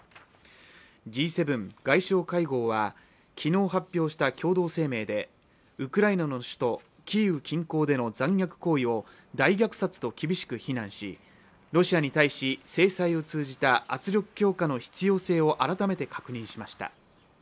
Ｇ７外相会合は昨日発表した共同声明で、ウクライナの首都キーウ近郊での残虐行為を大虐殺と厳しく非難し、ロシアに対し、制裁を通じた圧力強化の必要性を改めて確認しました。